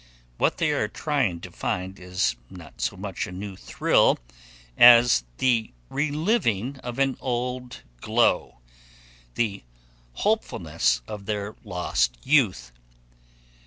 What they are trying to find is not so much a new thrill as the reliving of an old glow the hopefulness of their lost youth.